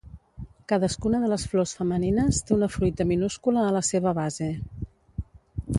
Cadascuna de les flors femenines té una fruita minúscula a la seva base.